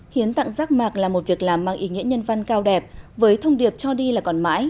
hiến tặng rác mạc là một việc làm mang ý nghĩa nhân văn cao đẹp với thông điệp cho đi là còn mãi